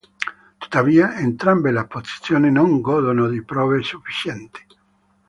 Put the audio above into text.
Tuttavia, entrambe le posizioni non godono di prove sufficienti.